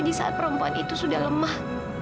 di saat perempuan itu sudah lemah